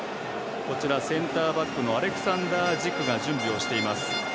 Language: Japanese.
センターバックのアレクサンダー・ジクが準備をしています。